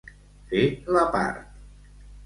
Fer la part.